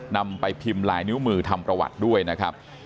นำไปพิมพ์ลายนิ้วมือทำประวัติด้วยนะครับ